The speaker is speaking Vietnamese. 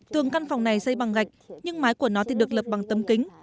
tường căn phòng này xây bằng gạch nhưng mái của nó thì được lập bằng tấm kính